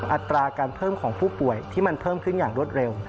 อัตราการเพิ่มของผู้ป่วยที่มันเพิ่มขึ้นอย่างรวดเร็ว